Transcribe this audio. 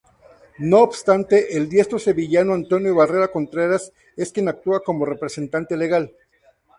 No obstante, el diestro sevillano Antonio Barrera Contreras es quien actúa como representante legal.